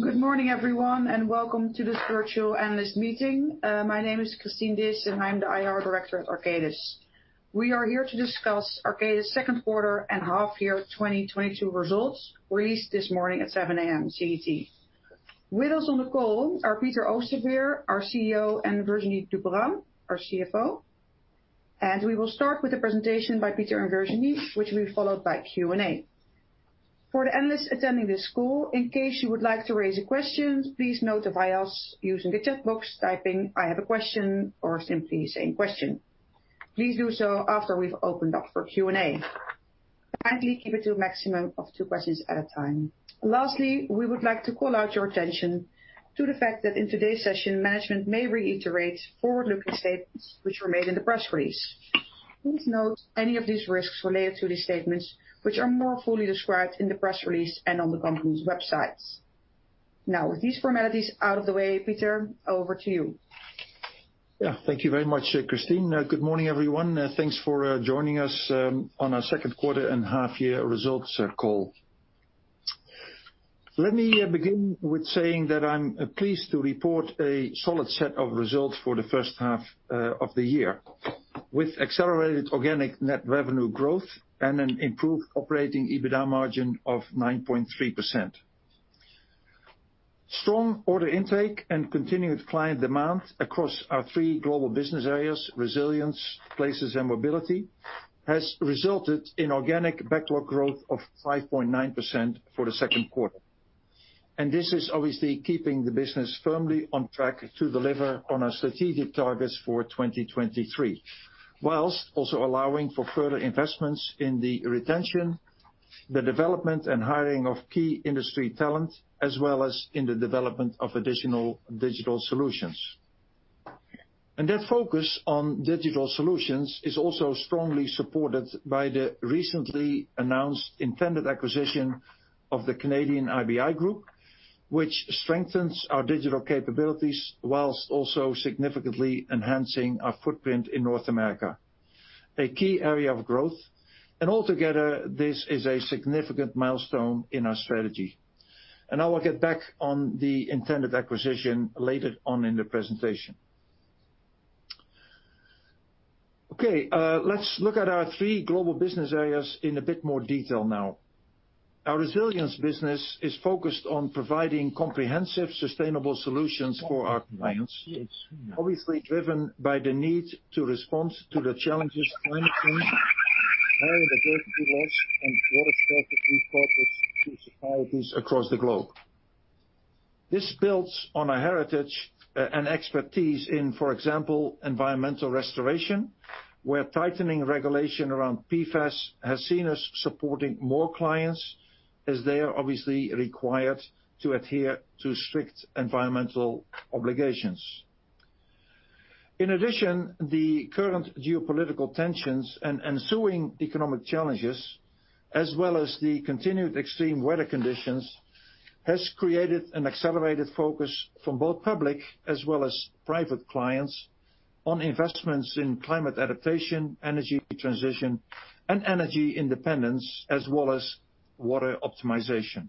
Good morning, everyone, and welcome to this Virtual Analyst Meeting. My name is Christine Disch, and I'm the IR director at Arcadis. We are here to discuss Arcadis' second quarter and half year 2022 results released this morning at 7:00 A.M. CET. With us on the call are Peter Oosterveer, our CEO, and Virginie Duperat-Vergne, our CFO. We will start with a presentation by Peter and Virginie, which will be followed by Q&A. For the analysts attending this call, in case you would like to raise a question, please notify us using the chat box, typing, "I have a question," or simply saying, "Question." Please do so after we've opened up for Q&A. Kindly keep it to a maximum of two questions at a time. Lastly, we would like to call out your attention to the fact that in today's session, management may reiterate forward-looking statements which were made in the press release. Please note any of these risks related to these statements which are more fully described in the press release and on the company's websites. Now, with these formalities out of the way, Peter, over to you. Yeah. Thank you very much, Christine. Good morning, everyone. Thanks for joining us on our Second Quarter and Half Year Results Call. Let me begin with saying that I'm pleased to report a solid set of results for the first half of the year, with accelerated organic net revenue growth and an improved operating EBITDA margin of 9.3%. Strong order intake and continued client demand across our three global business areas, Resilience, Places and Mobility, has resulted in organic backlog growth of 5.9% for the second quarter. This is obviously keeping the business firmly on track to deliver on our strategic targets for 2023, whilst also allowing for further investments in the retention, the development and hiring of key industry talent, as well as in the development of additional digital solutions. That focus on digital solutions is also strongly supported by the recently announced intended acquisition of the Canadian IBI Group, which strengthens our digital capabilities while also significantly enhancing our footprint in North America, a key area of growth. Altogether, this is a significant milestone in our strategy. I will get back on the intended acquisition later on in the presentation. Okay, let's look at our three global business areas in a bit more detail now. Our Resilience business is focused on providing comprehensive, sustainable solutions for our clients. Obviously driven by the need to respond to the challenges climate change and water scarcity poses to societies across the globe. This builds on our heritage and expertise in, for example, environmental restoration, where tightening regulation around PFAS has seen us supporting more clients as they are obviously required to adhere to strict environmental obligations. In addition, the current geopolitical tensions and ensuing economic challenges, as well as the continued extreme weather conditions, has created an accelerated focus from both public as well as private clients on investments in climate adaptation, energy transition, and energy independence, as well as water optimization.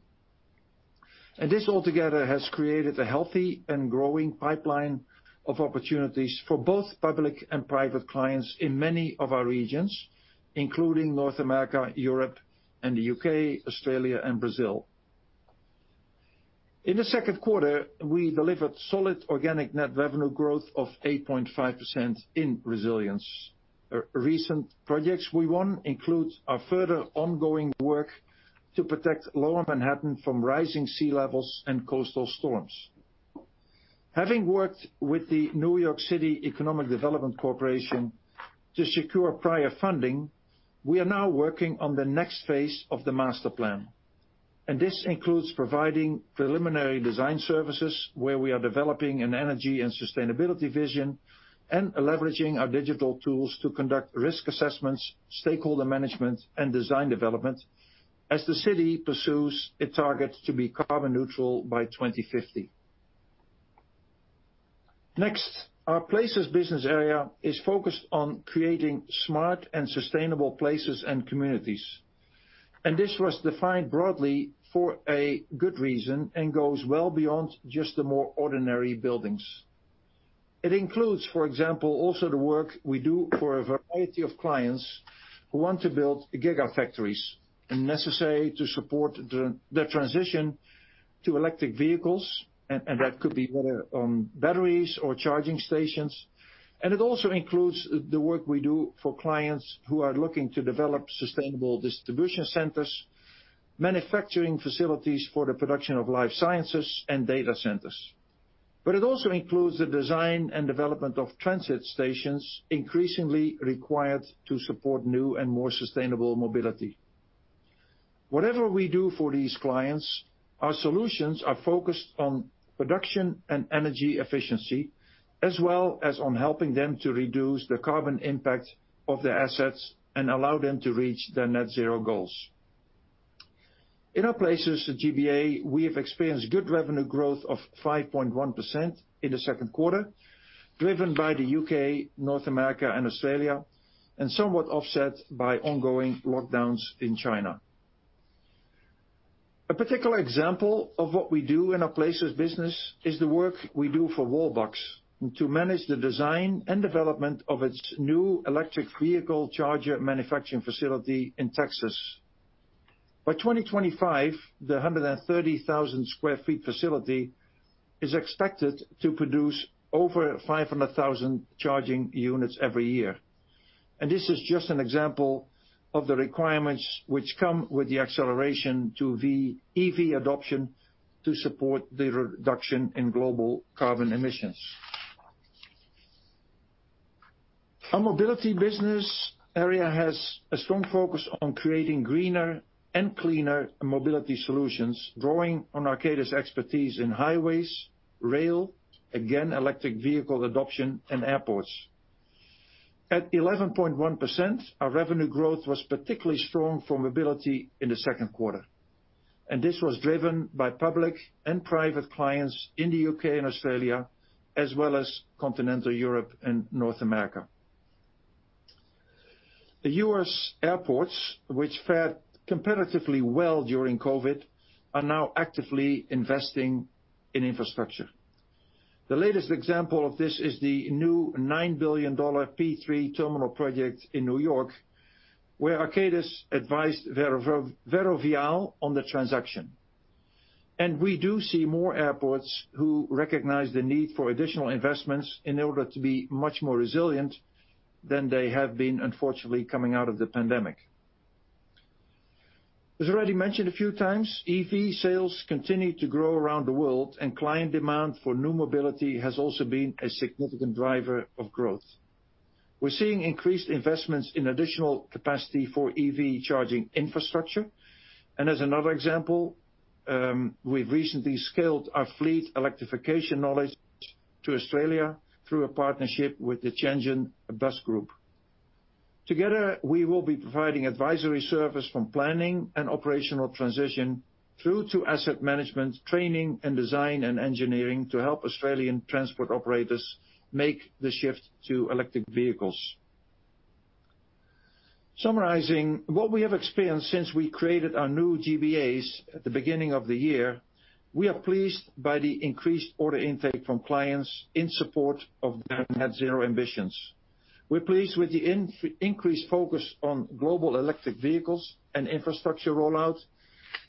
This altogether has created a healthy and growing pipeline of opportunities for both public and private clients in many of our regions, including North America, Europe and the U.K., Australia and Brazil. In the second quarter, we delivered solid organic net revenue growth of 8.5% in Resilience. Recent projects we won includes our further ongoing work to protect Lower Manhattan from rising sea levels and coastal storms. Having worked with the New York City Economic Development Corporation to secure prior funding, we are now working on the next phase of the master plan, and this includes providing preliminary design services where we are developing an energy and sustainability vision and leveraging our digital tools to conduct risk assessments, stakeholder management, and design development as the city pursues its target to be carbon neutral by 2050. Next, our Places business area is focused on creating smart and sustainable places and communities. This was defined broadly for a good reason and goes well beyond just the more ordinary buildings. It includes, for example, also the work we do for a variety of clients who want to build gigafactories necessary to support the transition to electric vehicles, and that could be whether batteries or charging stations. It also includes the work we do for clients who are looking to develop sustainable distribution centers, manufacturing facilities for the production of life sciences and data centers. It also includes the design and development of transit stations increasingly required to support new and more sustainable mobility. Whatever we do for these clients, our solutions are focused on production and energy efficiency, as well as on helping them to reduce the carbon impact of their assets and allow them to reach their net zero goals. In our Places, the GBA, we have experienced good revenue growth of 5.1% in the second quarter, driven by the U.K., North America and Australia, and somewhat offset by ongoing lockdowns in China. A particular example of what we do in our Places business is the work we do for Wallbox to manage the design and development of its new electric vehicle charger manufacturing facility in Texas. By 2025, the 130,000 sq ft facility is expected to produce over 500,000 charging units every year. This is just an example of the requirements which come with the acceleration to EV adoption to support the reduction in global carbon emissions. Our mobility business area has a strong focus on creating greener and cleaner mobility solutions, drawing on Arcadis expertise in highways, rail, again, electric vehicle adoption and airports. At 11.1%, our revenue growth was particularly strong for Mobility in the second quarter, and this was driven by public and private clients in the U.K. and Australia, as well as continental Europe and North America. The U.S. airports, which fared competitively well during COVID-19, are now actively investing in infrastructure. The latest example of this is the new $9 billion P3 terminal project in New York, where Arcadis advised Ferrovial on the transaction. We do see more airports who recognize the need for additional investments in order to be much more resilient than they have been, unfortunately, coming out of the pandemic. As already mentioned a few times, EV sales continue to grow around the world, and client demand for new mobility has also been a significant driver of growth. We're seeing increased investments in additional capacity for EV charging infrastructure. As another example, we've recently scaled our fleet electrification knowledge to Australia through a partnership with the Shenzhen Bus Group. Together, we will be providing advisory service from planning and operational transition through to asset management, training and design and engineering to help Australian transport operators make the shift to electric vehicles. Summarizing what we have experienced since we created our new GBAs at the beginning of the year, we are pleased by the increased order intake from clients in support of their net zero ambitions. We're pleased with the increased focus on global electric vehicles and infrastructure rollout,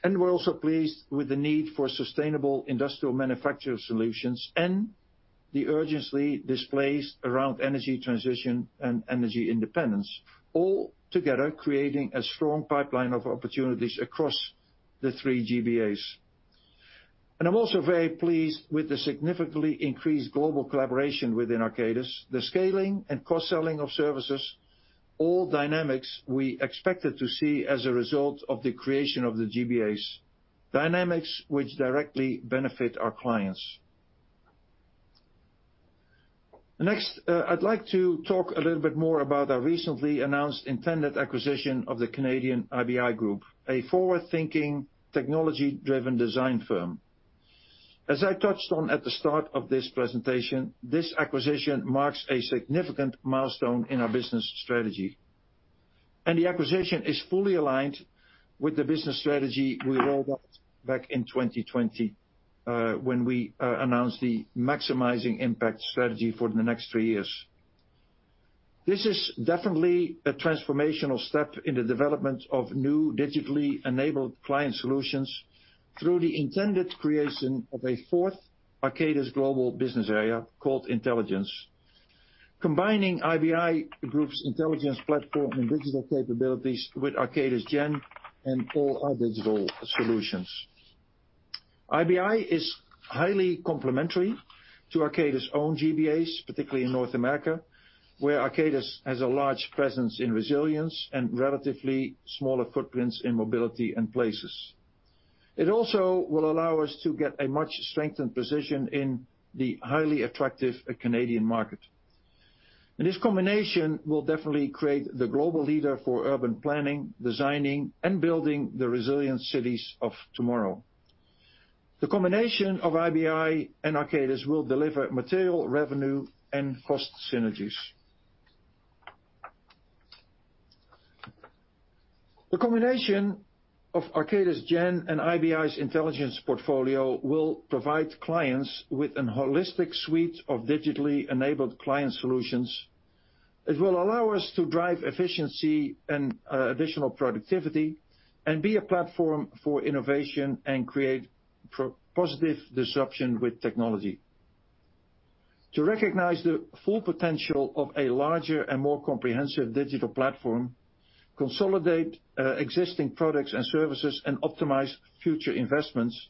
and we're also pleased with the need for sustainable industrial manufacture solutions and the urgency displayed around energy transition and energy independence, all together creating a strong pipeline of opportunities across the three GBAs. I'm also very pleased with the significantly increased global collaboration within Arcadis, the scaling and cross-selling of services, all dynamics we expected to see as a result of the creation of the GBAs. Dynamics which directly benefit our clients. Next, I'd like to talk a little bit more about our recently announced intended acquisition of the Canadian IBI Group, a forward-thinking, technology-driven design firm. As I touched on at the start of this presentation, this acquisition marks a significant milestone in our business strategy. The acquisition is fully aligned with the business strategy we rolled out back in 2020, when we announced the Maximizing Impact strategy for the next three years. This is definitely a transformational step in the development of new digitally enabled client solutions through the intended creation of a fourth Arcadis global business area called Intelligence. Combining IBI Group's intelligence platform and digital capabilities with Arcadis Gen and all our digital solutions. IBI is highly complementary to Arcadis' own GBAs, particularly in North America, where Arcadis has a large presence in Resilience and relatively smaller footprints in Mobility and Places. It also will allow us to get a much strengthened position in the highly attractive Canadian market. This combination will definitely create the global leader for urban planning, designing and building the resilient cities of tomorrow. The combination of IBI and Arcadis will deliver material revenue and cost synergies. The combination of Arcadis Gen and IBI's intelligence portfolio will provide clients with a holistic suite of digitally enabled client solutions. It will allow us to drive efficiency and additional productivity and be a platform for innovation and create positive disruption with technology. To recognize the full potential of a larger and more comprehensive digital platform, consolidate existing products and services and optimize future investments,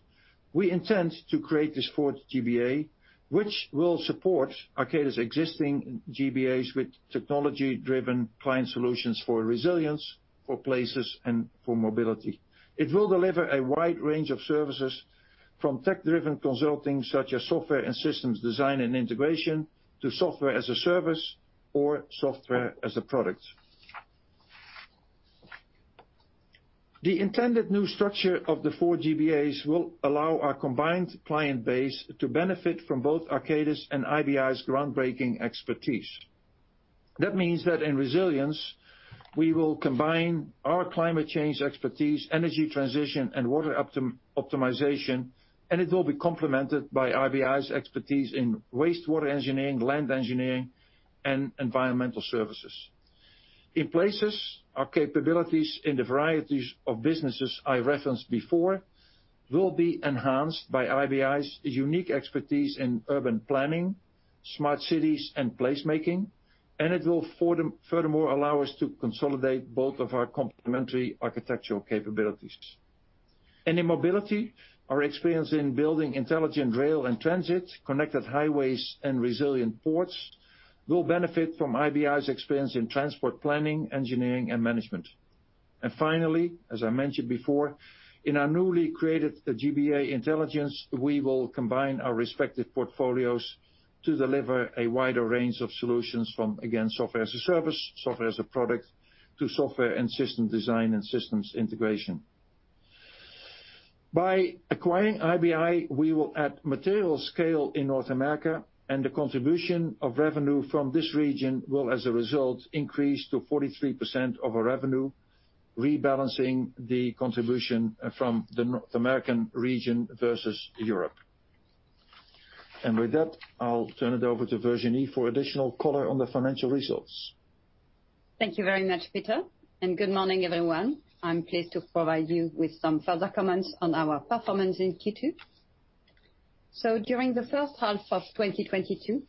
we intend to create this fourth GBA, which will support Arcadis existing GBAs with technology-driven client solutions for Resilience, for Places, and for Mobility. It will deliver a wide range of services from tech-driven consulting, such as software and systems design and integration, to software as a service or software as a product. The intended new structure of the four GBAs will allow our combined client base to benefit from both Arcadis and IBI's groundbreaking expertise. That means that in Resilience, we will combine our climate change expertise, energy transition, and water optimization, and it will be complemented by IBI's expertise in wastewater engineering, land engineering, and environmental services. In Places, our capabilities in the varieties of businesses I referenced before will be enhanced by IBI's unique expertise in urban planning, smart cities, and placemaking, and it will furthermore allow us to consolidate both of our complementary architectural capabilities. In Mobility, our experience in building intelligent rail and transit, connected highways, and resilient ports will benefit from IBI's experience in transport planning, engineering, and management. Finally, as I mentioned before, in our newly created GBA Intelligence, we will combine our respective portfolios to deliver a wider range of solutions from, again, software as a service, software as a product, to software and system design and systems integration. By acquiring IBI, we will add material scale in North America, and the contribution of revenue from this region will, as a result, increase to 43% of our revenue, rebalancing the contribution from the North American region versus Europe. With that, I'll turn it over to Virginie for additional color on the financial results. Thank you very much, Peter, and good morning, everyone. I'm pleased to provide you with some further comments on our performance in Q2. During the first half of 2022,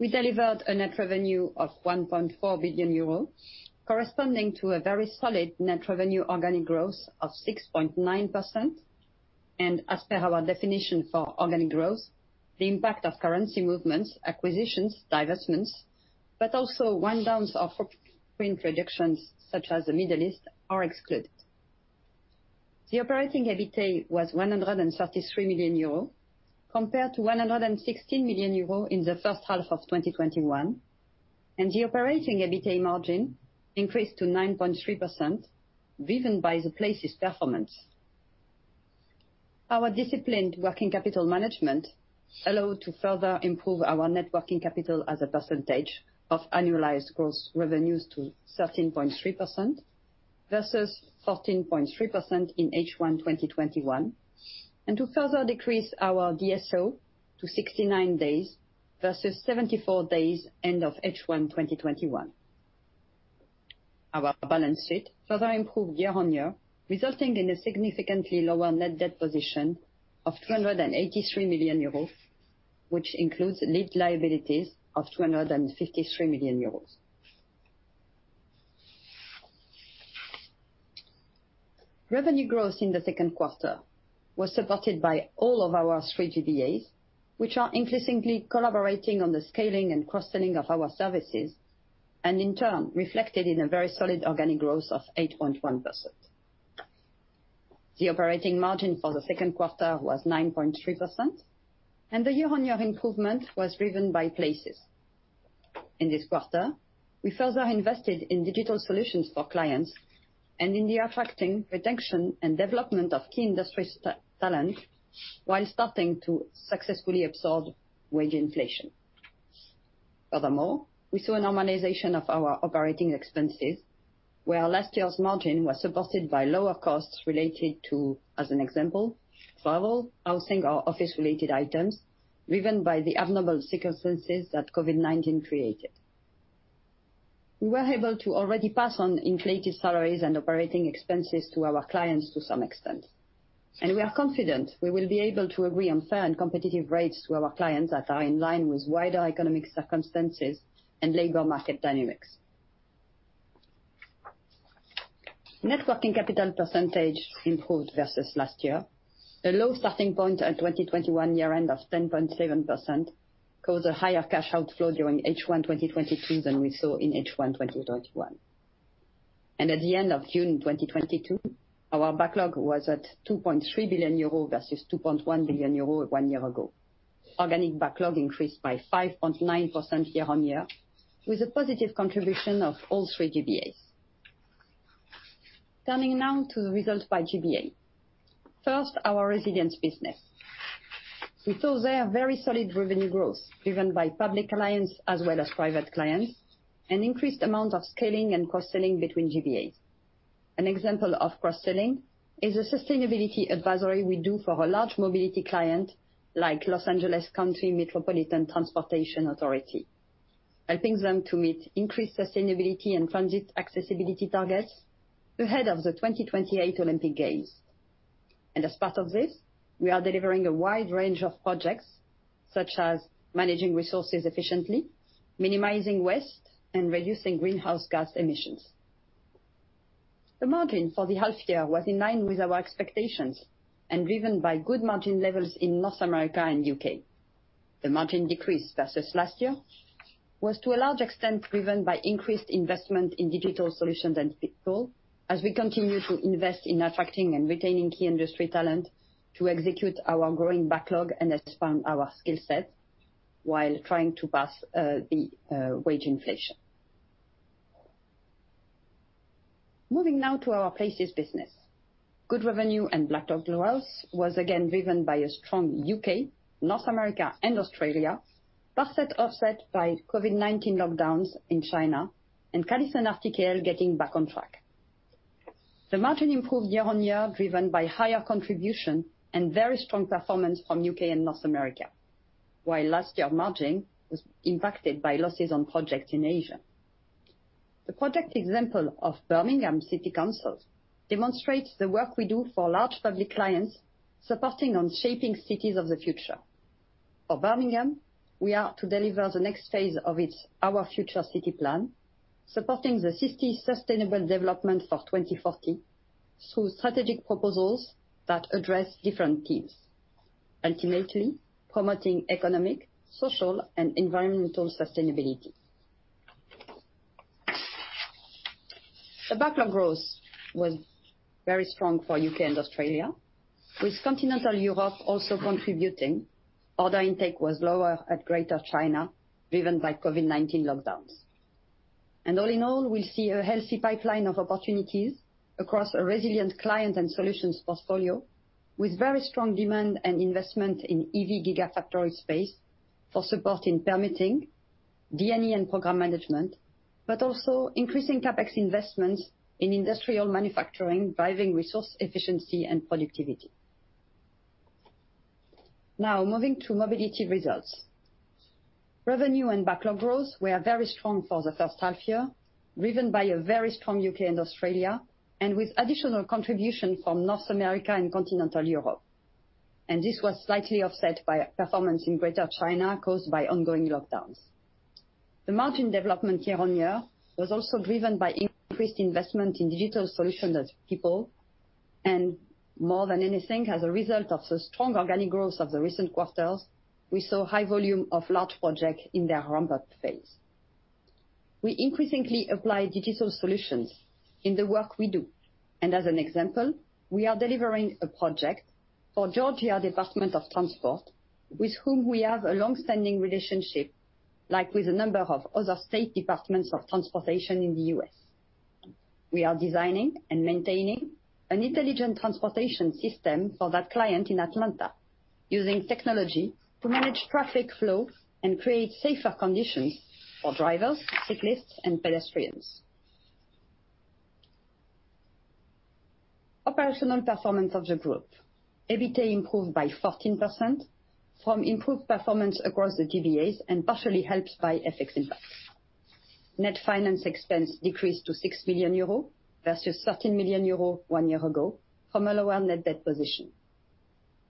we delivered a net revenue of 1.4 billion euros, corresponding to a very solid net revenue organic growth of 6.9%. As per our definition for organic growth, the impact of currency movements, acquisitions, divestments, but also wind-downs of footprint reductions such as the Middle East are excluded. The operating EBITA was 133 million euro, compared to 116 million euro in the first half of 2021, and the operating EBITA margin increased to 9.3%, driven by the Places performance. Our disciplined working capital management allowed to further improve our net working capital as a percentage of annualized gross revenues to 13.3% versus 14.3% in H1 2021, and to further decrease our DSO to 69 days versus 74 days end of H1 2021. Our balance sheet further improved year-on-year, resulting in a significantly lower net debt position of 283 million euros, which includes leased liabilities of 253 million euros. Revenue growth in the second quarter was supported by all of our three GBAs, which are increasingly collaborating on the scaling and cross-selling of our services, and in turn reflected in a very solid organic growth of 8.1%. The operating margin for the second quarter was 9.3%, and the year-on-year improvement was driven by Places. In this quarter, we further invested in digital solutions for clients and in the attracting, retention, and development of key industry talent while starting to successfully absorb wage inflation. Furthermore, we saw a normalization of our operating expenses, where last year's margin was supported by lower costs related to, as an example, travel, housing or office-related items, driven by the abnormal circumstances that COVID-19 created. We were able to already pass on inflated salaries and operating expenses to our clients to some extent, and we are confident we will be able to agree on fair and competitive rates to our clients that are in line with wider economic circumstances and labor market dynamics. Net working capital percentage improved versus last year. The low starting point at 2021 year end of 10.7% caused a higher cash outflow during H1 2022 than we saw in H1 2021. At the end of June 2022, our backlog was at 2.3 billion euro versus 2.1 billion euro one year ago. Organic backlog increased by 5.9% year-on-year with a positive contribution of all three GBAs. Turning now to the results by GBA. First, our Resilience business. We saw there very solid revenue growth driven by public clients as well as private clients, an increased amount of scaling and cross-selling between GBAs. An example of cross-selling is a sustainability advisory we do for a large mobility client like Los Angeles County Metropolitan Transportation Authority, helping them to meet increased sustainability and transit accessibility targets ahead of the 2028 Olympic Games. As part of this, we are delivering a wide range of projects, such as managing resources efficiently, minimizing waste, and reducing greenhouse gas emissions. The margin for the half year was in line with our expectations and driven by good margin levels in North America and U.K. The margin decrease versus last year was to a large extent driven by increased investment in digital solutions and people as we continue to invest in attracting and retaining key industry talent to execute our growing backlog and expand our skill set while trying to pass the wage inflation. Moving now to our Places business. Good revenue and backlog growth was again driven by a strong U.K., North America and Australia, partially offset by COVID-19 lockdowns in China and CallisonRTKL and Arcadis getting back on track. The margin improved year-over-year, driven by higher contribution and very strong performance from U.K. and North America, while last year margin was impacted by losses on projects in Asia. The project example of Birmingham City Council demonstrates the work we do for large public clients, supporting in shaping cities of the future. For Birmingham, we are to deliver the next phase of its Our Future City Plan, supporting the city's sustainable development for 2024 through strategic proposals that address different themes, ultimately promoting economic, social and environmental sustainability. The backlog growth was very strong for U.K. and Australia, with Continental Europe also contributing. Order intake was lower at Greater China, driven by COVID-19 lockdowns. All in all, we see a healthy pipeline of opportunities across a resilient client and solutions portfolio, with very strong demand and investment in EV gigafactory space for support in permitting D&E, and program management, but also increasing CapEx investments in industrial manufacturing, driving resource efficiency and productivity. Now, moving to Mobility results. Revenue and backlog growth were very strong for the first half year, driven by a very strong U.K. and Australia, and with additional contribution from North America and Continental Europe. This was slightly offset by performance in Greater China caused by ongoing lockdowns. The margin development year-on-year was also driven by increased investment in digital solution people, and more than anything, as a result of the strong organic growth of the recent quarters, we saw high volume of large projects in their ramp-up phase. We increasingly apply digital solutions in the work we do, and as an example, we are delivering a project for Georgia Department of Transportation, with whom we have a long-standing relationship, like with a number of other state departments of transportation in the U.S. We are designing and maintaining an intelligent transportation system for that client in Atlanta, using technology to manage traffic flow and create safer conditions for drivers, cyclists and pedestrians. Operational performance of the group. EBITDA improved by 14% from improved performance across the GBAs and partially helped by FX impact. Net finance expense decreased to 6 million euro, versus 13 million euro one year ago, from a lower net debt position.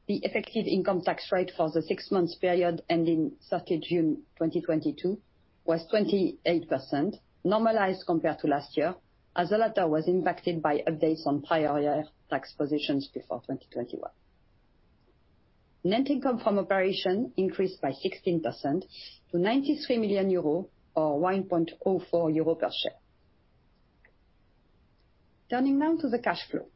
The effective income tax rate for the six months period ending 30 June 2022 was 28%, normalized compared to last year, as the latter was impacted by updates on prior tax positions before 2021. Net income from operation increased by 16% to 93 million euro or 1.04 euro per share. Turning now to the cash flow.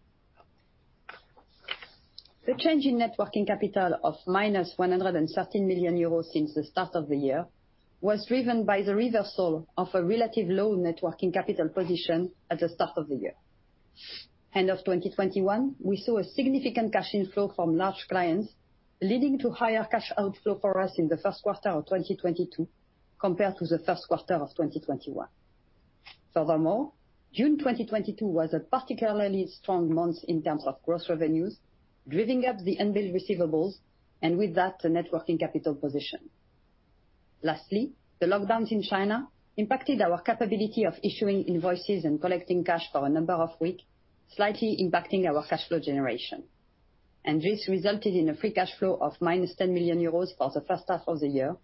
The change in net working capital of 113 million euros since the start of the year was driven by the reversal of a relatively low net working capital position at the start of the year. End of 2021, we saw a significant cash inflow from large clients, leading to higher cash outflow for us in the first quarter of 2022 compared to the first quarter of 2021. Furthermore, June 2022 was a particularly strong month in terms of gross revenues, driving up the unbilled receivables, and with that, the net working capital position. Lastly, the lockdowns in China impacted our capability of issuing invoices and collecting cash for a number of weeks, slightly impacting our cash flow generation. This resulted in a free cash flow of 10 million euros for the first half of the year,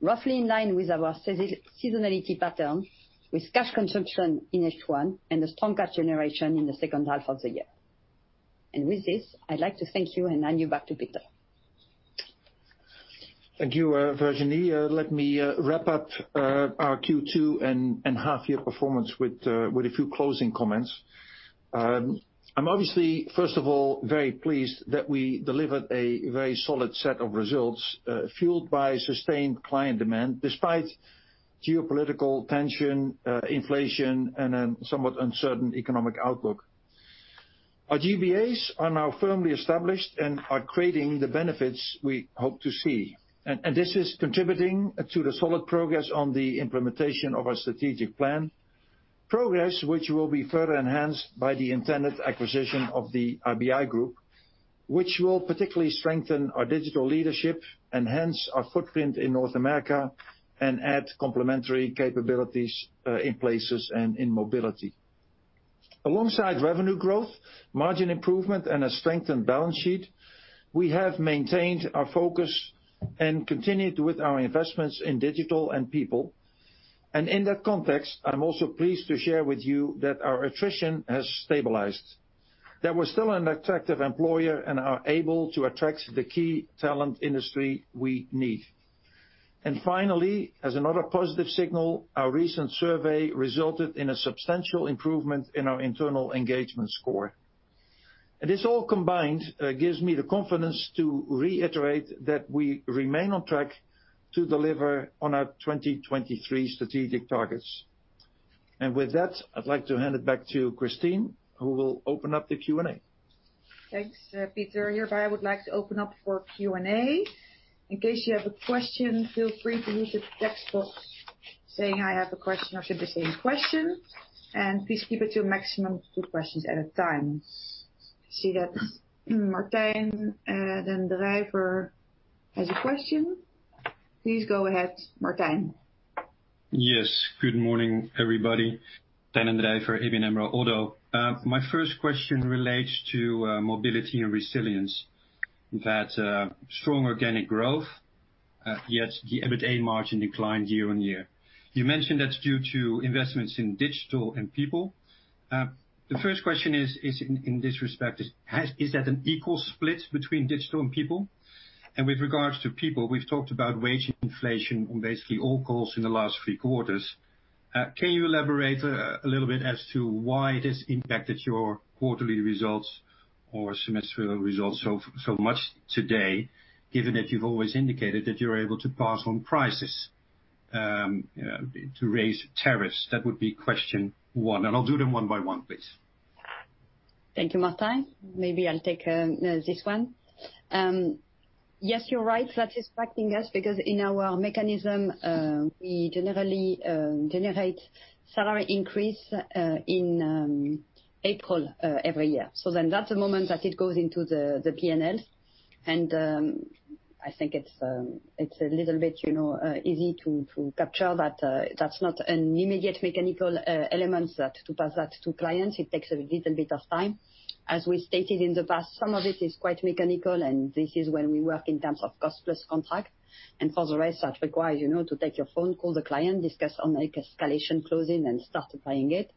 roughly in line with our seasonality pattern, with cash consumption in H1 and a strong cash generation in the second half of the year. With this, I'd like to thank you and hand you back to Peter. Thank you, Virginie. Let me wrap up our Q2 and half year performance with a few closing comments. I'm obviously, first of all, very pleased that we delivered a very solid set of results, fueled by sustained client demand despite geopolitical tension, inflation and somewhat uncertain economic outlook. Our GBAs are now firmly established and are creating the benefits we hope to see. This is contributing to the solid progress on the implementation of our strategic plan. Progress which will be further enhanced by the intended acquisition of the IBI Group, which will particularly strengthen our digital leadership, enhance our footprint in North America, and add complementary capabilities in Places and in Mobility. Alongside revenue growth, margin improvement and a strengthened balance sheet, we have maintained our focus and continued with our investments in digital and people. In that context, I'm also pleased to share with you that our attrition has stabilized, that we're still an attractive employer and are able to attract the key talent industry we need. Finally, as another positive signal, our recent survey resulted in a substantial improvement in our internal engagement score. This all combined gives me the confidence to reiterate that we remain on track to deliver on our 2023 strategic targets. With that, I'd like to hand it back to Christine, who will open up the Q&A. Thanks, Peter. Hereby, I would like to open up for Q&A. In case you have a question, feel free to use the text box saying, "I have a question," or "I have a question?" Please keep it to a maximum of two questions at a time. See that Martijn den Drijver has a question. Please go ahead, Martijn. Yes, good morning, everybody. den Drijver, ABN AMRO-ODDO. My first question relates to mobility and resilience. That strong organic growth, yet the EBITA margin declined year-on-year. You mentioned that's due to investments in digital and people. The first question is, in this respect, is that an equal split between digital and people? With regards to people, we've talked about wage inflation on basically all calls in the last three quarters. Can you elaborate a little bit as to why it has impacted your quarterly results or semester results so much today, given that you've always indicated that you're able to pass on prices to raise tariffs? That would be question one, and I'll do them one by one, please. Thank you, Martijn. Maybe I'll take this one. Yes, you're right. That is impacting us because in our mechanism, we generally generate salary increase in April every year. That's the moment that it goes into the P&L. I think it's a little bit, you know, easy to capture that that's not an immediate mechanical element that to pass that to clients. It takes a little bit of time. As we stated in the past, some of it is quite mechanical, and this is when we work in terms of cost-plus contract. For the rest, that requires, you know, to take your phone, call the client, discuss on like escalation clauses and start applying it.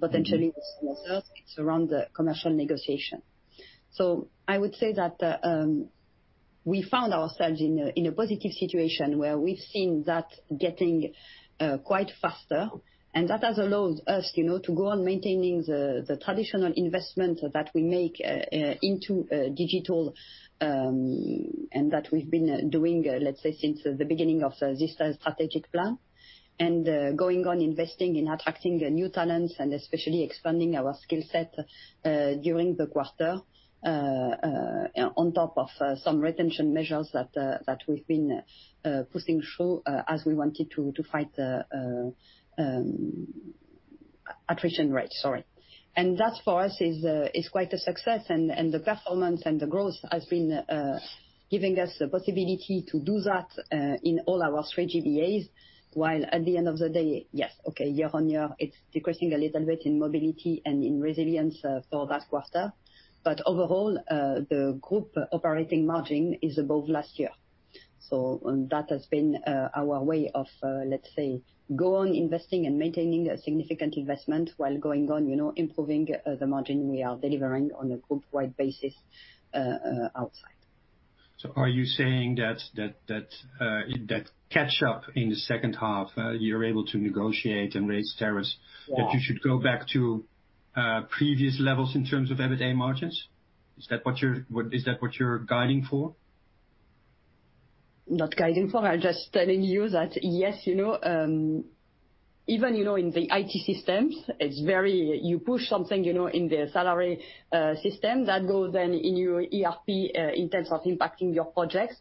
Potentially with some others, it's around the commercial negotiation. I would say that we found ourselves in a positive situation where we've seen that getting quite faster. That has allowed us, you know, to go on maintaining the traditional investment that we make into digital and that we've been doing, let's say, since the beginning of this strategic plan. Going on investing in attracting new talents and especially expanding our skill set during the quarter. On top of some retention measures that we've been putting through as we wanted to fight the attrition rate. Sorry. That for us is quite a success. The performance and the growth has been giving us the possibility to do that in all our three GBAs. While at the end of the day, yes, okay, year-on-year, it's decreasing a little bit in Mobility and in Resilience for that quarter. Overall, the Group operating margin is above last year. That has been our way of, let's say, go on investing and maintaining a significant investment while going on, you know, improving the margin we are delivering on a Group-wide basis, outside. Are you saying that catch up in the second half, you're able to negotiate and raise tariffs? Yeah. that you should go back to previous levels in terms of EBITA margins? Is that what you're guiding for? I'm just telling you that yes, you know, even, you know, in the IT systems, it's very. You push something, you know, in the salary system, that goes then in your ERP in terms of impacting your projects.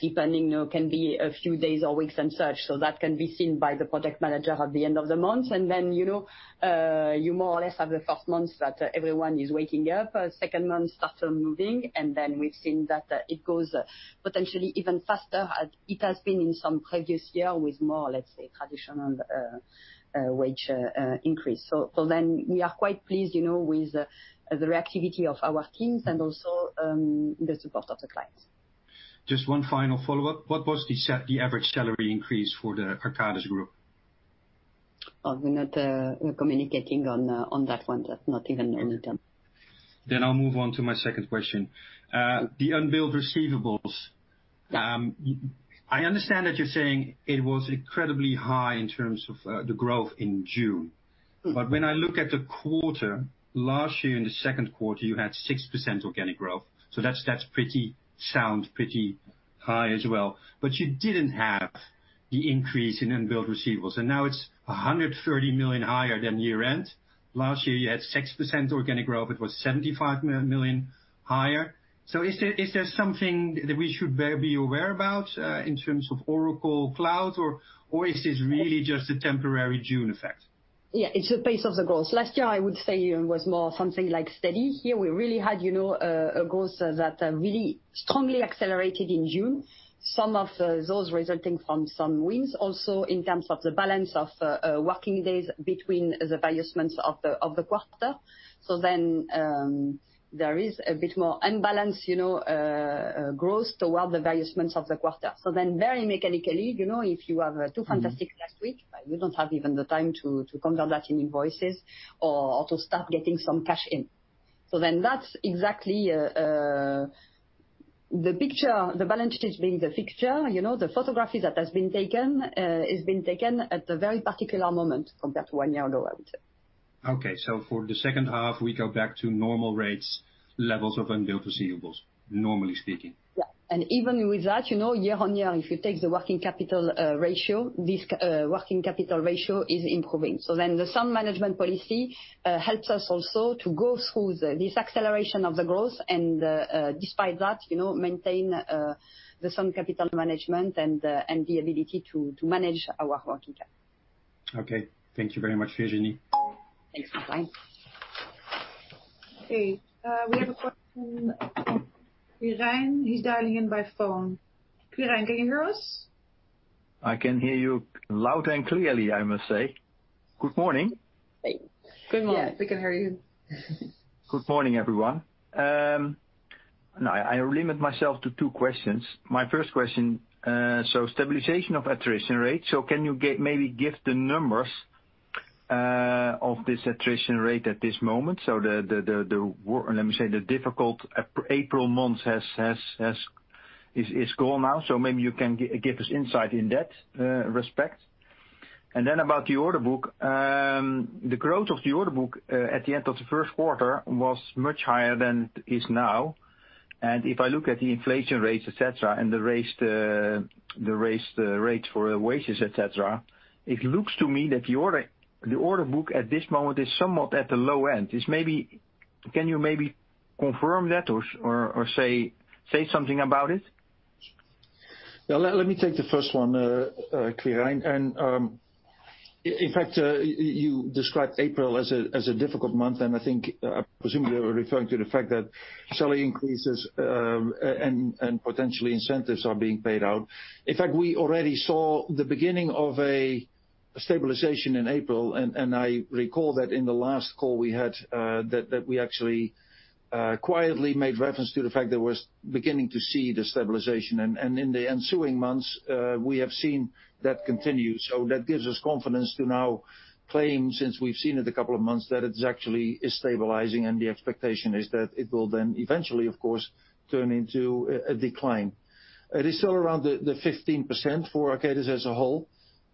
Depending, you know, can be a few days or weeks and such. That can be seen by the project manager at the end of the month. You more or less have the first month that everyone is waking up. Second month start moving. We've seen that it goes potentially even faster as it has been in some previous year with more, let's say, traditional wage increase. We are quite pleased, you know, with the reactivity of our teams and also the support of the clients. Just one final follow-up. What was the average salary increase for the Arcadis Group? Oh, we're communicating on that one. That's not even on item. I'll move on to my second question. The unbilled receivables. I understand that you're saying it was incredibly high in terms of the growth in June. Mm-hmm. When I look at the quarter, last year in the second quarter, you had 6% organic growth. That's pretty sound, pretty high as well. You didn't have the increase in unbilled receivables, and now it's 130 million higher than year-end. Last year, you had 6% organic growth. It was 75 million higher. Is there something that we should be aware about in terms of Oracle Cloud or is this really just a temporary June effect? Yeah, it's the pace of the growth. Last year, I would say it was more something like steady. Here we really had a growth that really strongly accelerated in June. Some of those resulting from some wins also in terms of the balance of working days between the end of the quarter. There is a bit more unbalanced growth toward the end of the quarter. Very mechanically, if you have two fantastic last weeks, you don't have even the time to convert that in invoices or to start getting some cash in. That's exactly the picture, the balance sheet being the picture, the photograph that has been taken at a very particular moment from that one-year low, I would say. Okay. For the second half, we go back to normal rates, levels of unbilled receivables, normally speaking. Yeah. Even with that, you know, year-on-year, if you take the working capital ratio, this working capital ratio is improving. The cash management policy helps us also to go through this acceleration of the growth and, despite that, you know, maintain the cash management and the ability to manage our working capital. Okay. Thank you very much, Virginie. Thanks, Martijn. Okay. We have a question from Quirijn. He's dialing in by phone. Quirijn, can you hear us? I can hear you loud and clearly, I must say. Good morning. Hey. Good morning. Yes, we can hear you. Good morning, everyone. Now, I limit myself to two questions. My first question, stabilization of attrition rate. Can you maybe give the numbers of this attrition rate at this moment? Let me say, the difficult April month is gone now. Maybe you can give us insight in that respect. Then, about the order book, the growth of the order book at the end of the first quarter was much higher than it is now. If I look at the inflation rates, et cetera, and the raised rates for wages, et cetera, it looks to me that the order book at this moment is somewhat at the low end. Can you maybe confirm that or say something about it? Yeah, let me take the first one, Quirijn. In fact, you described April as a difficult month, and I think presumably you were referring to the fact that salary increases and potentially incentives are being paid out. In fact, we already saw the beginning of a stabilization in April, and I recall that in the last call we had, that we actually quietly made reference to the fact that we're beginning to see the stabilization. In the ensuing months, we have seen that continue. That gives us confidence to now claim, since we've seen it a couple of months, that it actually is stabilizing and the expectation is that it will then eventually, of course, turn into a decline. It is still around the 15% for Arcadis as a whole.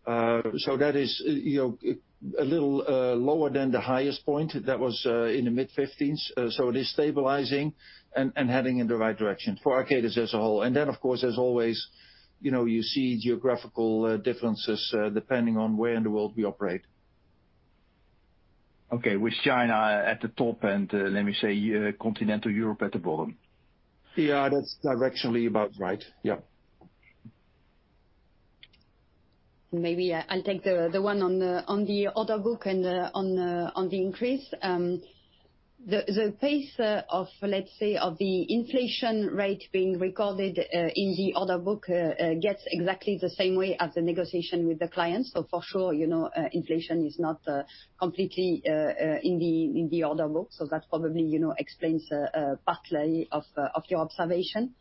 That is, you know, a little lower than the highest point. That was in the mid-15s. It is stabilizing and heading in the right direction for Arcadis as a whole. Then, of course, as always, you know, you see geographical differences depending on where in the world we operate. Okay. With China at the top and, let me say, Continental Europe at the bottom. Yeah, that's directionally about right. Yeah. Maybe I'll take the one on the order book and on the increase. The pace of, let's say, the inflation rate being recorded in the order book gets exactly the same way as the negotiation with the clients. For sure, you know, inflation is not completely in the order book. That probably, you know, explains part of your observation.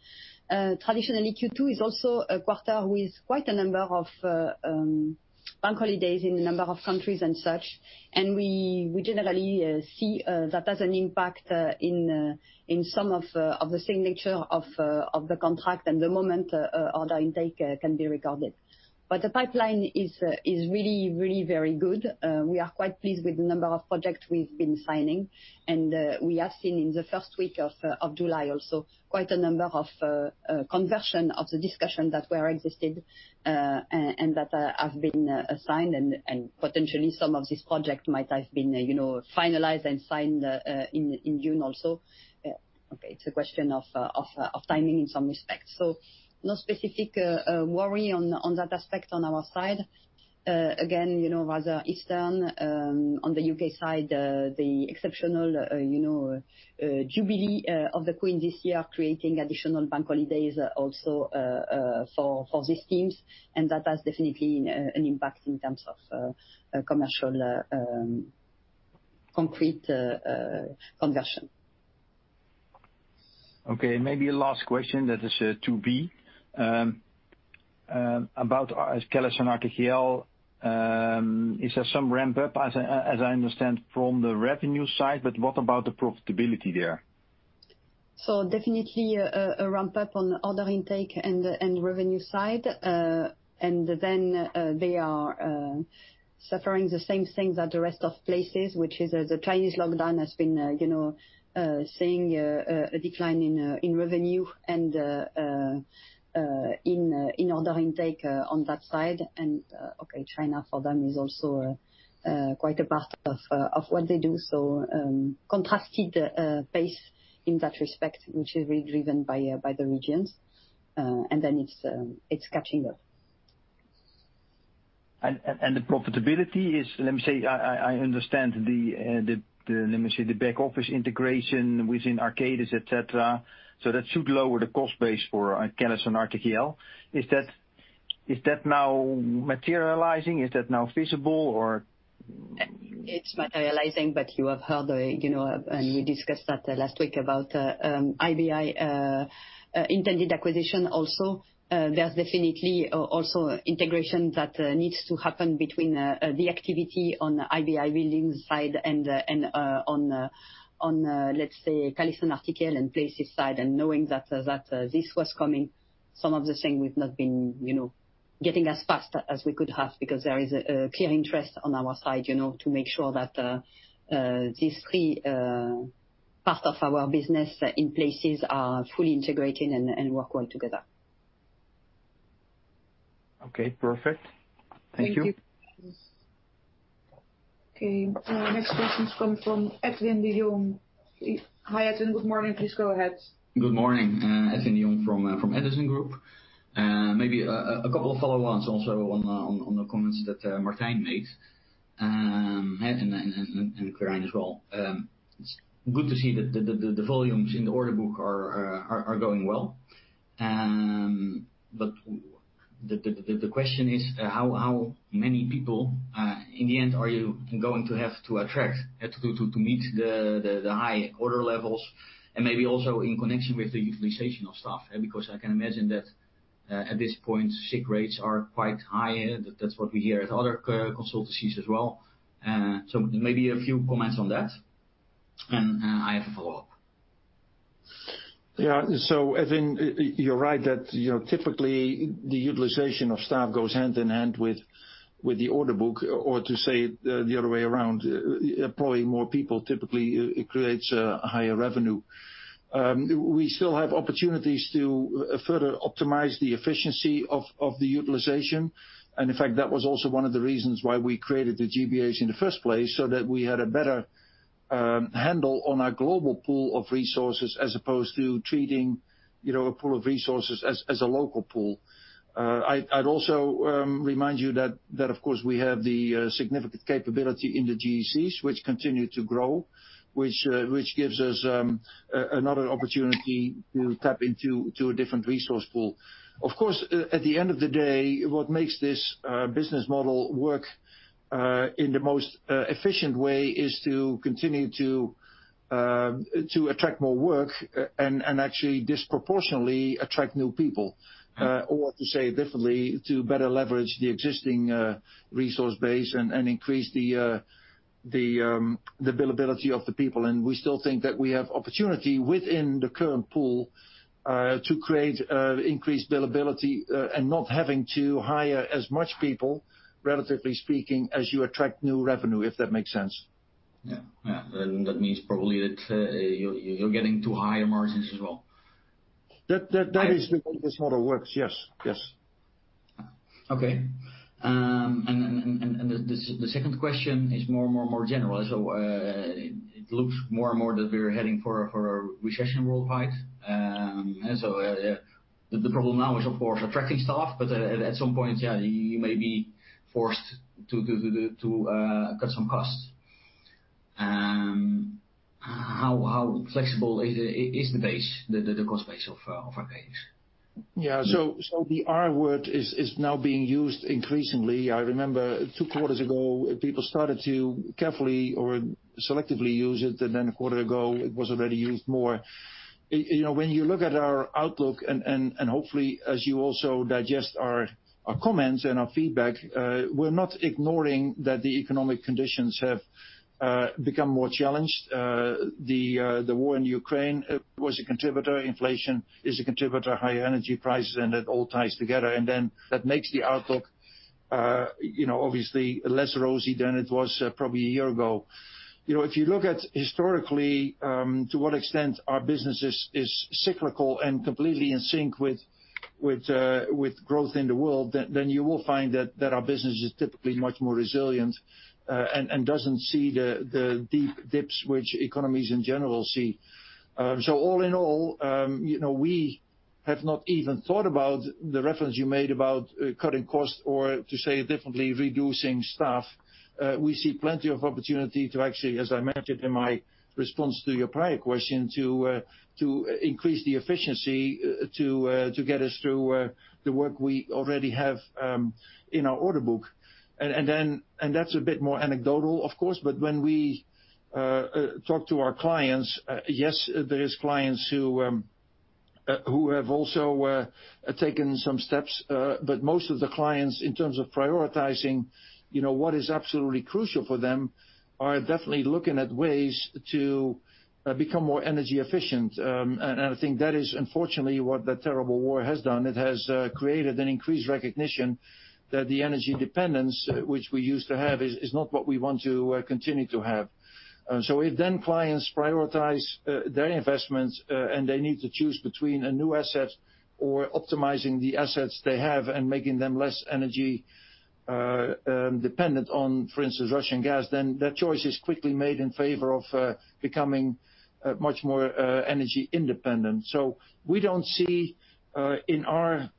Traditionally, Q2 is also a quarter with quite a number of bank holidays in a number of countries and such. We generally see that has an impact in some of the signature of the contract and the moment order intake can be recorded. The pipeline is really, really very good. We are quite pleased with the number of projects we've been signing. We have seen in the first week of July also quite a number of conversions of the discussions that were existing and that have been signed and potentially some of these projects might have been, you know, finalized and signed in June also. Okay, it's a question of timing in some respects. No specific worry on that aspect on our side. Again, you know, rather interesting on the U.K. side, the exceptional Jubilee of the Queen this year creating additional bank holidays also for these teams. That has definitely an impact in terms of commercial concrete conversion. Okay, maybe last question that is to be about our CallisonRTKL. Is there some ramp-up, as I understand from the revenue side, but what about the profitability there? Definitely a ramp-up on order intake and revenue side. They are suffering the same thing that the rest of Places, which is the Chinese lockdown has been, you know, seeing a decline in revenue and in order intake on that side. China for them is also quite a part of what they do. Contrasting pace in that respect, which is region-driven by the regions. It's catching up. The profitability is, let me say, I understand the back office integration within Arcadis, et cetera. That should lower the cost base for CallisonRTKL. Is that now materializing? Is that now visible or It's materializing, but you have heard, you know, and we discussed that last week about IBI intended acquisition also. There's definitely also integration that needs to happen between the activity on the IBI buildings side and on let's say CallisonRTKL and Places side. Knowing that this was coming, some of the things we've not been, you know, getting as fast as we could have because there is a clear interest on our side, you know, to make sure that these three part of our business in Places are fully integrated and work well together. Okay, perfect. Thank you. Thank you. Okay. Next question come from Edwin de Jong. Hi, Edwin. Good morning. Please go ahead. Good morning. Edwin de Jong from Edison Group. Maybe a couple of follow-ons also on the comments that Martijn made, and Quirijn as well. It's good to see that the volumes in the order book are going well. The question is how many people in the end are you going to have to attract to meet the high order levels and maybe also in connection with the utilization of staff? Because I can imagine that at this point, sick rates are quite high. That's what we hear at other consultancies as well. Maybe a few comments on that. I have a follow-up. Edwin, you're right that, you know, typically the utilization of staff goes hand in hand with the order book, or to say it the other way around, employing more people typically creates a higher revenue. We still have opportunities to further optimize the efficiency of the utilization. In fact, that was also one of the reasons why we created the GBAs in the first place, so that we had a better handle on our global pool of resources as opposed to treating, you know, a pool of resources as a local pool. I'd also remind you that of course, we have the significant capability in the GECs which continue to grow, which gives us another opportunity to tap into a different resource pool. Of course, at the end of the day, what makes this business model work in the most efficient way is to continue to attract more work and actually disproportionately attract new people. Or to say it differently, to better leverage the existing resource base and increase the billability of the people. We still think that we have opportunity within the current pool to create increased billability and not having to hire as much people, relatively speaking, as you attract new revenue, if that makes sense. Yeah. That means probably that you're getting to higher margins as well. That is the way this model works. Yes. Yes. The second question is more general. It looks more and more that we're heading for a recession worldwide. The problem now is of course attracting staff, but at some point, yeah, you may be forced to cut some costs. How flexible is the cost base of Arcadis? Yeah. The R word is now being used increasingly. I remember two quarters ago, people started to carefully or selectively use it, and then a quarter ago it was already used more. You know, when you look at our outlook and hopefully as you also digest our comments and our feedback, we're not ignoring that the economic conditions have become more challenged. The war in Ukraine was a contributor, inflation is a contributor, higher energy prices, and that all ties together. That makes the outlook, you know, obviously less rosy than it was probably a year ago. You know, if you look at historically, to what extent our business is cyclical and completely in sync with growth in the world, then you will find that our business is typically much more resilient, and doesn't see the deep dips which economies in general see. All in all, you know, we have not even thought about the reference you made about cutting costs or to say it differently, reducing staff. We see plenty of opportunity to actually, as I mentioned in my response to your prior question, to increase the efficiency to get us through the work we already have in our order book. That's a bit more anecdotal, of course, but when we talk to our clients, yes, there is clients who have also taken some steps. But most of the clients, in terms of prioritizing, you know, what is absolutely crucial for them, are definitely looking at ways to become more energy efficient. I think that is unfortunately what that terrible war has done. It has created an increased recognition that the energy dependence which we used to have is not what we want to continue to have. If clients prioritize their investments and they need to choose between a new asset or optimizing the assets they have and making them less energy dependent on, for instance, Russian gas, then that choice is quickly made in favor of becoming much more energy independent. We don't see in our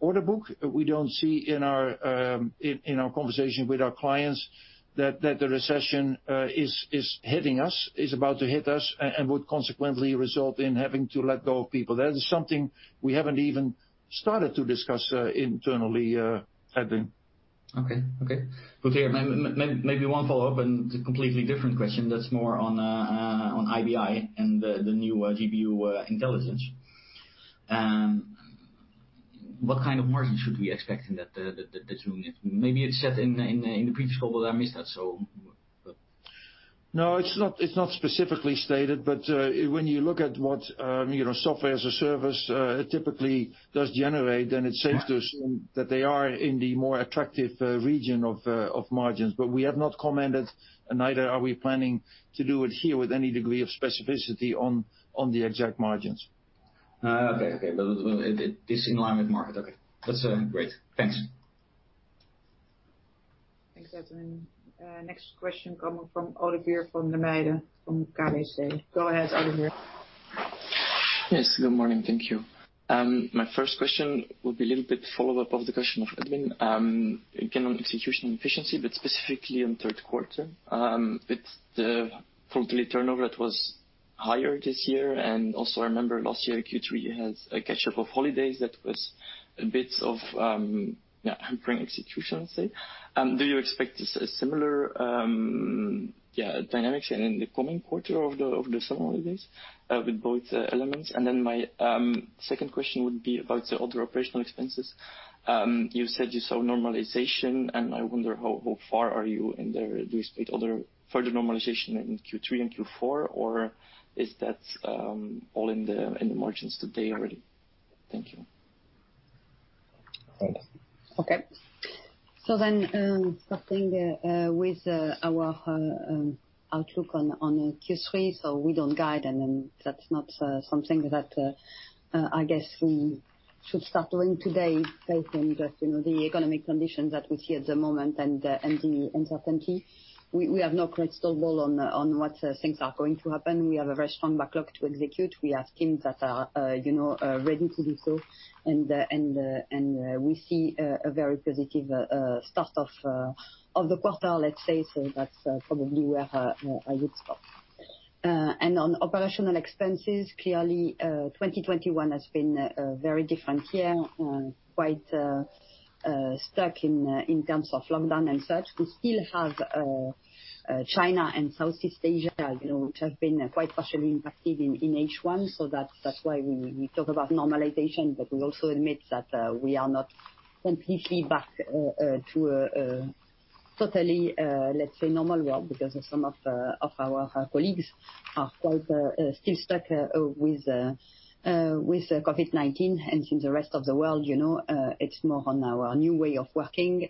order book or in our conversations with our clients that the recession is hitting us or is about to hit us and would consequently result in having to let go of people. That is something we haven't even started to discuss internally, Edwin. Okay. Maybe one follow-up and a completely different question that's more on IBI and the new GBA Intelligence. What kind of margin should we expect in that room? Maybe it's said in the previous call, but I missed that, so. No, it's not specifically stated, but when you look at what you know, software as a service typically does generate- Yeah. It's safe to assume that they are in the more attractive region of margins. We have not commented, neither are we planning to do it here with any degree of specificity on the exact margins. Okay. It is in line with market. Okay. That's great. Thanks. Thanks, Edwin. Next question coming from Olivier Vandewoude from KBC. Go ahead, Kristof. Yes, good morning. Thank you. My first question will be a little bit follow-up of the question of Edwin. Again, on execution efficiency, but specifically on third quarter. With the total turnover that was higher this year, and also I remember last year Q3 has a catch-up of holidays that was a bit of hampering execution, let's say. Do you expect a similar dynamics in the coming quarter of the summer holidays with both elements? And then my second question would be about the other operational expenses. You said you saw normalization, and I wonder how far are you in there? Do you expect other further normalization in Q3 and Q4, or is that all in the margins today already? Thank you. All right. Okay. Starting with our outlook on Q3. We don't guide, and then that's not something that I guess we should start doing today based on just, you know, the economic conditions that we see at the moment and the uncertainty. We have no crystal ball on what things are going to happen. We have a very strong backlog to execute. We have teams that are, you know, ready to do so. We see a very positive start of the quarter, let's say. That's probably where I would start. On operational expenses, clearly, 2021 has been very different year, quite stuck in terms of lockdown and such. We still have China and Southeast Asia, you know, which have been quite partially impacted in H1. That's why we talk about normalization. We also admit that we are not completely back to a totally, let's say, normal world, because some of our colleagues are quite still stuck with COVID-19. In the rest of the world, you know, it's more on our new way of working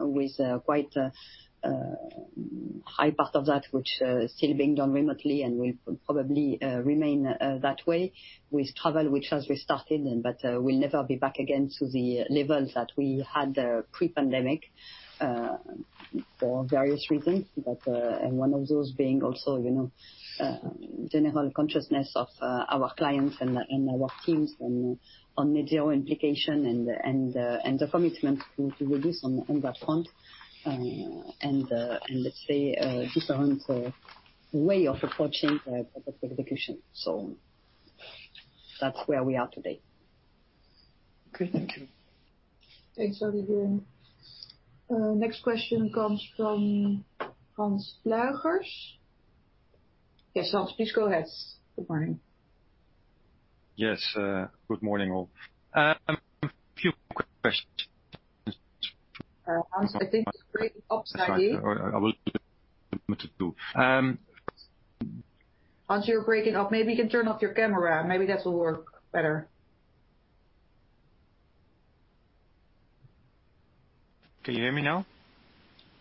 with quite a high part of that which still being done remotely and will probably remain that way. With travel which has restarted but will never be back again to the levels that we had pre-pandemic for various reasons. One of those being also, you know, general consciousness of our clients and our teams on net zero implication and the commitment to reduce on that front. Let's say a different way of approaching the proper execution. That's where we are today. Good. Thank you. Thanks, Olivier. Next question comes from Hans Pluijgers. Yes, Hans, please go ahead. Good morning. Yes. Good morning, all. A few quick questions. Hans, I think it's breaking up slightly. That's right. I will switch to. Hans, you're breaking up. Maybe you can turn off your camera. Maybe that will work better. Can you hear me now?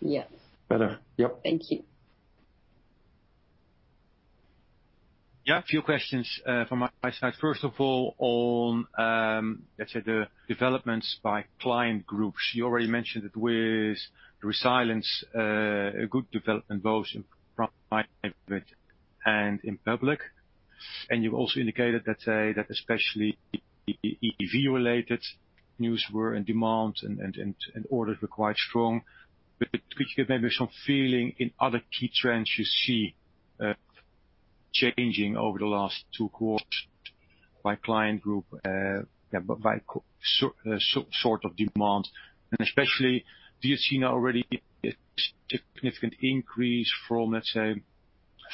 Yes. Better. Yep. Thank you. Yeah, a few questions from my side. First of all, on, let's say the developments by client groups. You already mentioned it with Resilience, a good development both in private and in public. You also indicated that especially EV related news were in demand and orders were quite strong. Could you give maybe some feeling in other key trends you see changing over the last two quarters by client group, by sort of demand? Especially, do you see now already a significant increase from, let's say,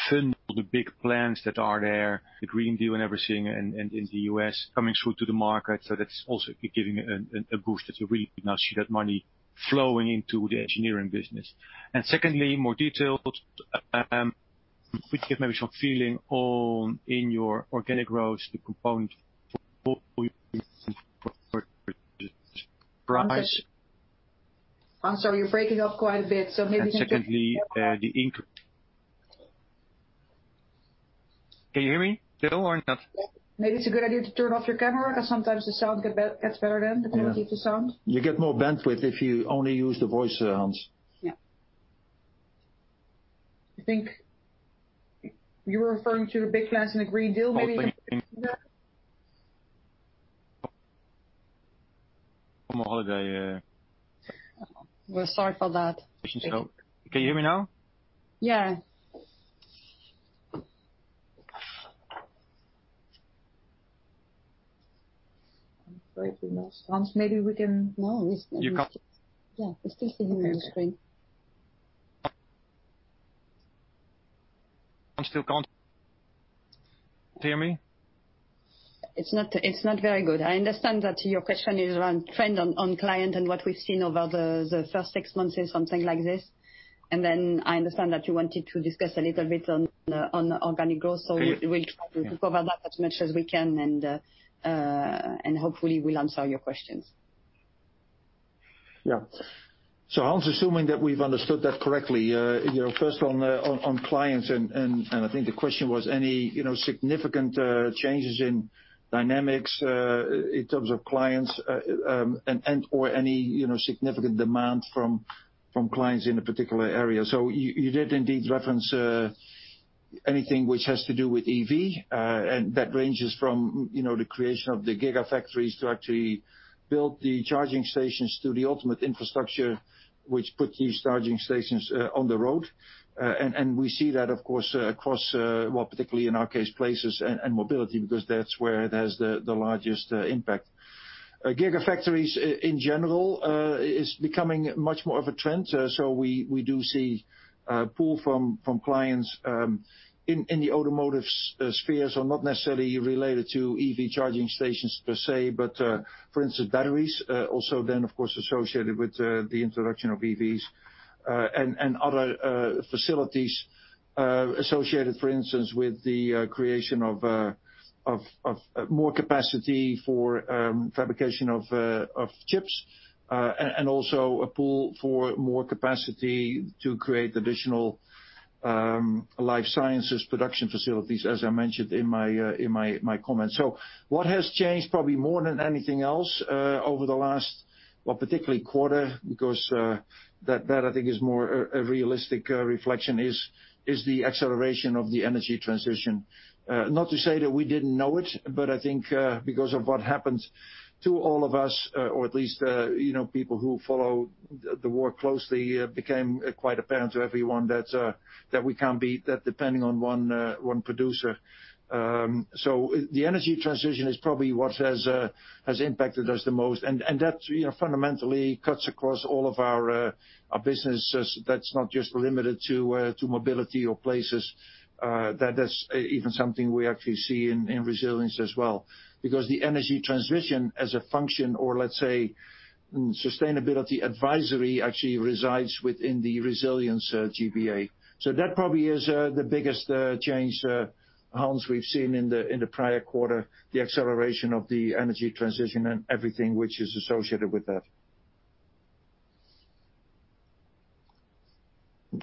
some of the big plans that are there, the Green Deal and everything and in the U.S. coming through to the market? That's also giving a boost as you really now see that money flowing into the engineering business. Secondly, more detailed, could you give maybe some feeling on in your organic growth, the component for price? Hans, sorry, you're breaking up quite a bit, so maybe you should just. Can you hear me still or not? Maybe it's a good idea to turn off your camera, as sometimes the sound gets better. Then, the quality of the sound. You get more bandwidth if you only use the voice, Hans. Yeah. I think you were referring to big plans in the Green Deal, maybe. From holiday. We're sorry for that. Can you hear me now? Yeah. I'm sorry if we lost Hans. Maybe we can. No, it's. You can't- Yeah. We still see him on the screen. I still can't hear me? It's not very good. I understand that your question is around trend on client and what we've seen over the first six months or something like this. I understand that you wanted to discuss a little bit on organic growth. We'll try to cover that as much as we can, and hopefully we'll answer your questions. Yeah. Hans, assuming that we've understood that correctly, you know, first on clients and I think the question was any, you know, significant changes in dynamics in terms of clients and/or any, you know, significant demand from clients in a particular area. You did indeed reference anything which has to do with EV, and that ranges from, you know, the creation of the gigafactories to actually build the charging stations to the ultimate infrastructure, which puts these charging stations on the road. And we see that of course across well, particularly in our case, Places and Mobility, because that's where it has the largest impact. Gigafactories in general is becoming much more of a trend. We do see a pull from clients in the automotive sector, not necessarily related to EV charging stations per se, but for instance, batteries, also then of course associated with the introduction of EVs, and other facilities associated, for instance, with the creation of more capacity for fabrication of chips, and also a pull for more capacity to create additional life sciences production facilities, as I mentioned in my comment. What has changed probably more than anything else over the last, particularly quarter, because that I think is more a realistic reflection is the acceleration of the energy transition. Not to say that we didn't know it, but I think, because of what happened to all of us, or at least, you know, people who follow the work closely, it became quite apparent to everyone that we can't be too dependent on one producer. The energy transition is probably what has impacted us the most. That, you know, fundamentally cuts across all of our businesses. That's not just limited to Mobility or Places, that is even something we actually see in Resilience as well. Because the energy transition as a function or let's say sustainability advisory actually resides within the Resilience GBA. That probably is the biggest change, Hans, we've seen in the prior quarter, the acceleration of the energy transition and everything which is associated with that.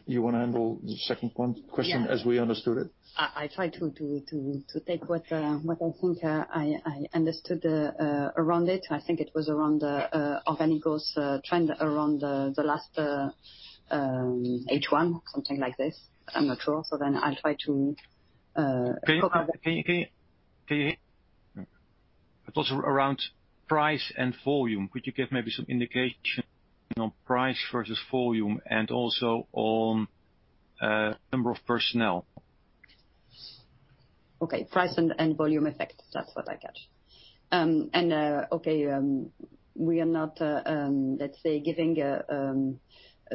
You wanna handle the second one. Yeah. Question as we understood it? I try to take what I think I understood around it. I think it was around the organic growth trend around the last H1, something like this. I'm not sure. I'll try to Can you? It was around price and volume. Could you give maybe some indication on price versus volume and also on number of personnel? Okay. Price and volume effect. That's what I catch. We are not, let's say, giving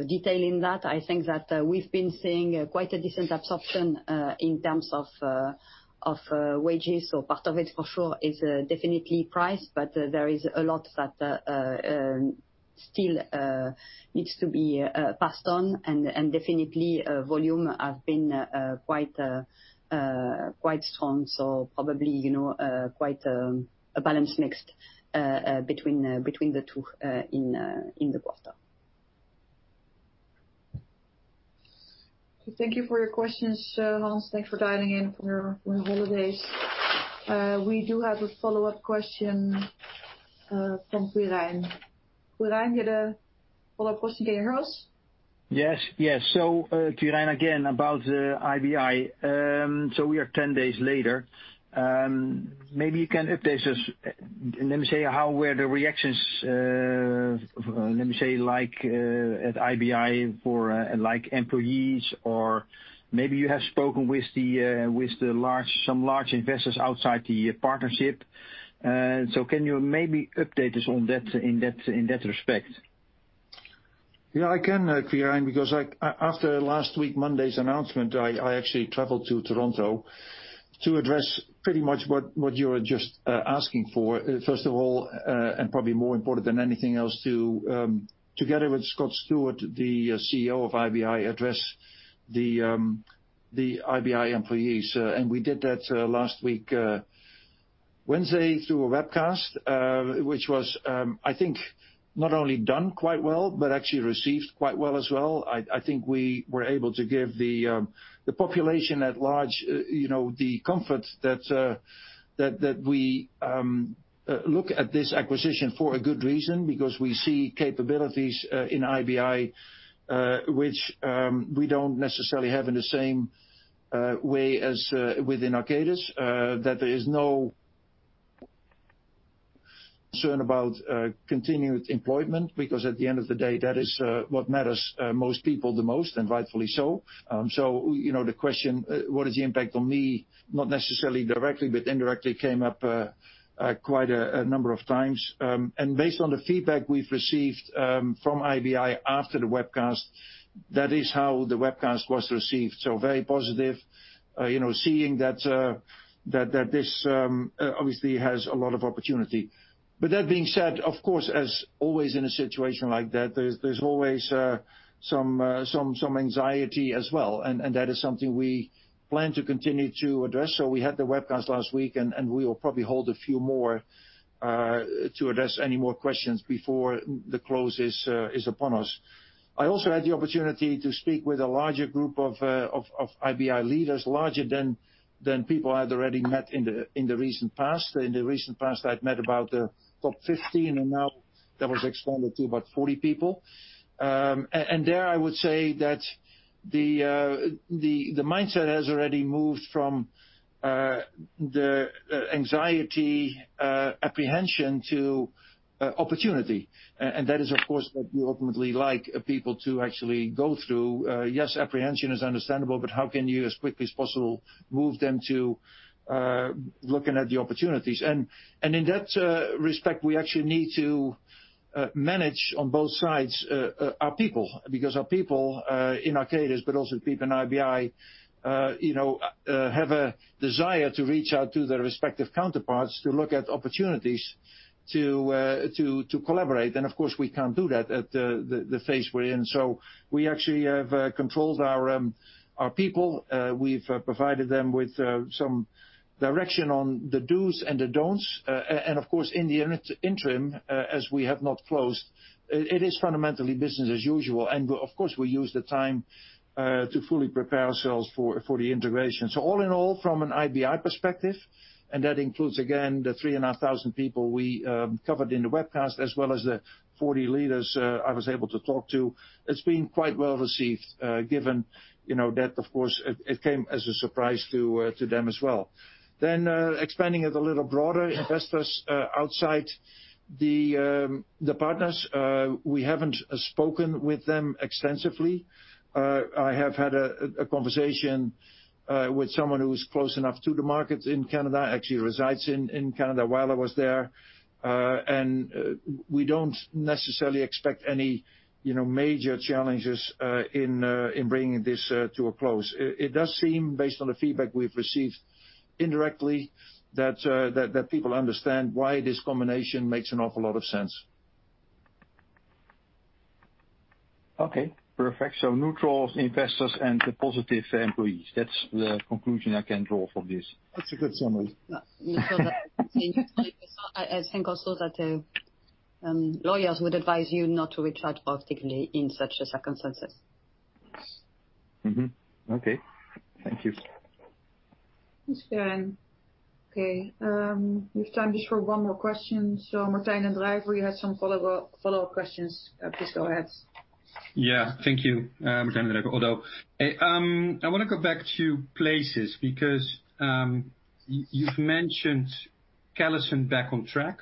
detail in that. I think that we've been seeing quite a decent absorption in terms of wages, so part of it for sure is definitely price, but there is a lot that still needs to be passed on, and definitely volume have been quite strong. Probably, you know, quite a balanced mix between the two in the quarter. Thank you for your questions, Hans. Thanks for dialing in from your holidays. We do have a follow-up question from Quirijn. Quirijn, you had a follow-up question. Can you hear us? Yes, yes. Quirijn again about the IBI. We are ten days later. Maybe you can update us, let me say, how were the reactions, let me say, like, at IBI for, like employees, or maybe you have spoken with the, with some large investors outside the partnership. Can you maybe update us on that, in that respect? Yeah, I can, Quirijn, because after last Monday's announcement, I actually traveled to Toronto to address pretty much what you were just asking for. First of all, and probably more important than anything else, together with Scott Stewart, the CEO of IBI Group, address the IBI Group employees. We did that last Wednesday through a webcast, which I think was not only done quite well, but actually received quite well as well. I think we were able to give the population at large, you know, the comfort that we look at this acquisition for a good reason because we see capabilities in IBI which we don't necessarily have in the same way as within Arcadis, that there is no concern about continued employment, because at the end of the day, that is what matters to most people the most, and rightfully so. You know, the question, what is the impact on me, not necessarily directly, but indirectly, came up quite a number of times. Based on the feedback we've received from IBI after the webcast, that is how the webcast was received. Very positive, you know, seeing that this obviously has a lot of opportunity. That being said, of course, as always in a situation like that, there's always some anxiety as well. That is something we plan to continue to address. We had the webcast last week, and we will probably hold a few more to address any more questions before the close is upon us. I also had the opportunity to speak with a larger group of IBI leaders, larger than people I'd already met in the recent past. In the recent past, I'd met about the top 15, and now that was expanded to about 40 people. There, I would say that the mindset has already moved from the anxiety, apprehension to opportunity. That is, of course, what we ultimately like people to actually go through. Yes, apprehension is understandable, but how can you as quickly as possible move them to looking at the opportunities? In that respect, we actually need to manage on both sides, our people. Because our people in Arcadis, but also people in IBI, you know, have a desire to reach out to their respective counterparts to look at opportunities to collaborate. Of course, we can't do that at the phase we're in. We actually have controlled our people. We've provided them with some direction on the dos and the don'ts. Of course, in the interim, as we have not closed, it is fundamentally business as usual. Of course, we use the time to fully prepare ourselves for the integration. All in all, from an IBI perspective, and that includes, again, the 3,500 people we covered in the webcast, as well as the 40 leaders I was able to talk to. It's been quite well received, given, you know, that of course it came as a surprise to them as well. Expanding it a little broader, investors outside the partners, we haven't spoken with them extensively. I have had a conversation with someone who's close enough to the market in Canada, actually resides in Canada while I was there. We don't necessarily expect any, you know, major challenges in bringing this to a close. It does seem, based on the feedback we've received indirectly, that people understand why this combination makes an awful lot of sense. Okay, perfect. Neutral investors and positive employees. That's the conclusion I can draw from this. That's a good summary. I think also that lawyers would advise you not to reach out positively in such circumstances. Okay. Thank you. That's fine. Okay. We have time just for one more question. Martijn den Drijver, you had some follow-up questions. Please go ahead. Yeah. Thank you. Martijn den Drijver, ODDO. I wanna go back to Places because, you've mentioned Callison back on track.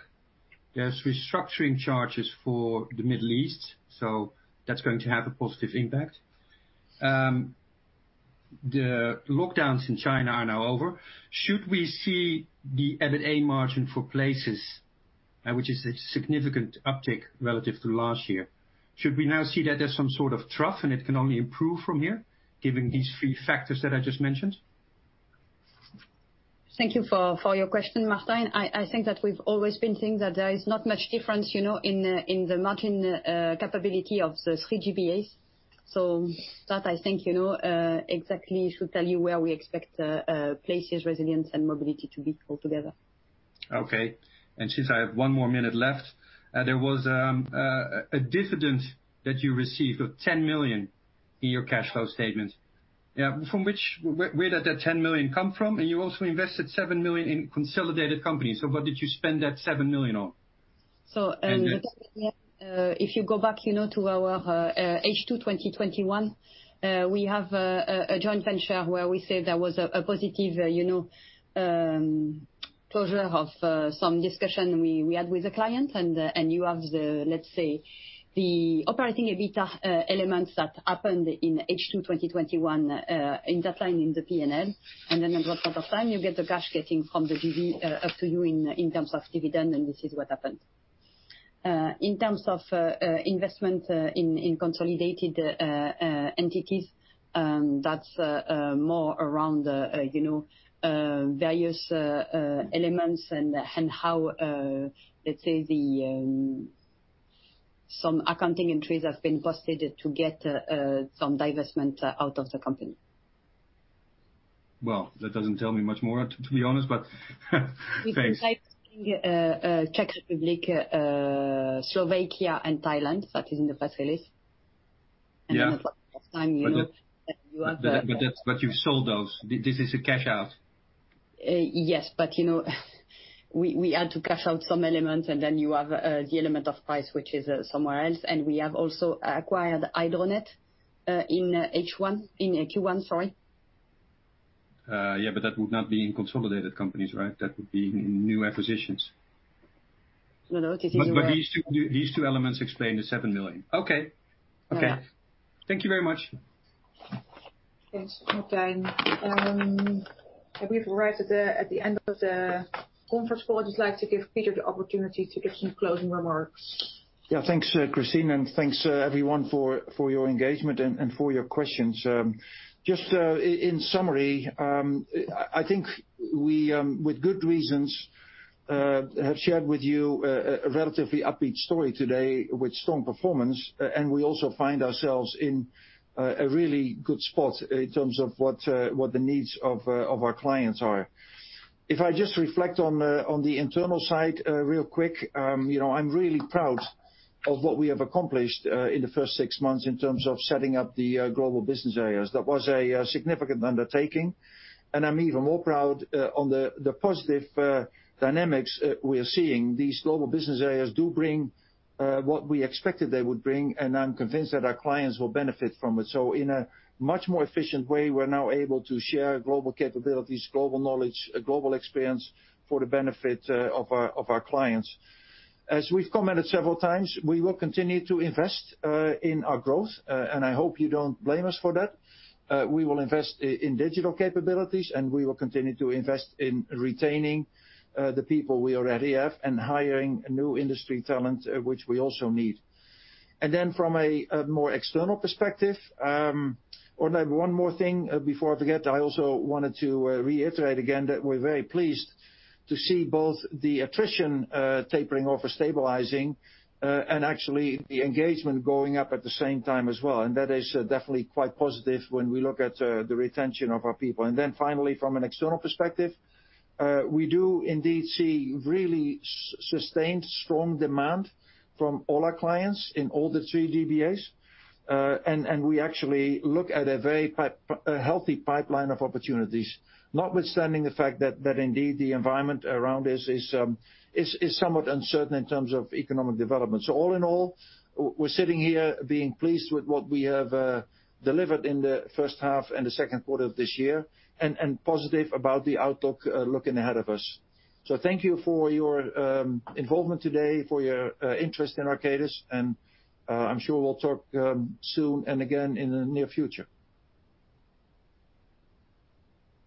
There's restructuring charges for the Middle East, so that's going to have a positive impact. The lockdowns in China are now over. Should we see the EBITA margin for Places, which is a significant uptick relative to last year, should we now see that as some sort of trough and it can only improve from here given these three factors that I just mentioned? Thank you for your question, Martijn. I think that we've always been saying that there is not much difference, you know, in the margin capability of the three GBAs. That I think you know exactly should tell you where we expect Places, Resilience, and Mobility to be altogether. Okay. Since I have one more minute left, there was a dividend that you received of 10 million in your cash flow statement. From which where did that 10 million come from? You also invested 7 million in consolidated companies. What did you spend that 7 million on? So, um- And, uh- If you go back, you know, to our H2 2021, we have a joint venture where we said there was a positive, you know, closure of some discussion we had with the client. You have, let's say, the operating EBITDA elements that happened in H2 2021 in that line in the P&L. Then a lot of time you get the cash getting from the JV up to you in terms of dividend, and this is what happened. In terms of investment in consolidated entities, that's more around, you know, various elements and how, let's say, some accounting entries have been posted to get some divestment out of the company. Well, that doesn't tell me much more, to be honest, but thanks. If you like, Czech Republic, Slovakia and Thailand, that is in the first list. Yeah. A lot of time, you know, you have the. That's. You sold those. This is a cash out. Yes, but you know, we had to cash out some elements, and then you have the element of price, which is somewhere else. We have also acquired HydroNET in Q1, sorry. Yeah, that would not be in consolidated companies, right? That would be in new acquisitions. No, no. These two elements explain the 7 million. Okay. No. Thank you very much. Thanks, Martijn. I believe we're right at the end of the conference call. I'd just like to give Peter the opportunity to give some closing remarks. Yeah. Thanks, Christine, and thanks, everyone for your engagement and for your questions. Just in summary, I think we, with good reasons, have shared with you a relatively upbeat story today with strong performance. We also find ourselves in a really good spot in terms of what the needs of our clients are. If I just reflect on the internal side, real quick, you know, I'm really proud of what we have accomplished in the first six months in terms of setting up the global business areas. That was a significant undertaking, and I'm even more proud on the positive dynamics we are seeing. These global business areas do bring what we expected they would bring, and I'm convinced that our clients will benefit from it. In a much more efficient way, we're now able to share global capabilities, global knowledge, global experience for the benefit of our clients. As we've commented several times, we will continue to invest in our growth, and I hope you don't blame us for that. We will invest in digital capabilities, and we will continue to invest in retaining the people we already have and hiring new industry talent, which we also need. Then from a more external perspective, Oh, no. One more thing, before I forget, I also wanted to reiterate again that we're very pleased to see both the attrition tapering off or stabilizing, and actually the engagement going up at the same time as well, and that is definitely quite positive when we look at the retention of our people. Then finally, from an external perspective, we do indeed see really sustained strong demand from all our clients in all the three GBAs. We actually look at a very healthy pipeline of opportunities, notwithstanding the fact that that indeed the environment around us is somewhat uncertain in terms of economic development. All in all, we're sitting here being pleased with what we have delivered in the first half and the second quarter of this year and positive about the outlook looking ahead of us. Thank you for your involvement today, for your interest in Arcadis, and I'm sure we'll talk soon and again in the near future.